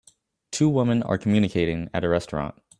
Two women are communicating at a restaurant